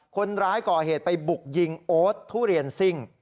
คนร้ายก่อเหตุไปบุกยิงโอ๊ตทุเรียนซิ่ง